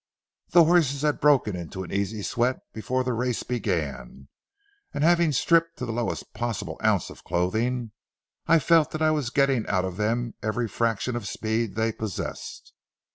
The horses had broken into an easy sweat before the race began, and having stripped to the lowest possible ounce of clothing, I felt that I was getting out of them every fraction of speed they possessed.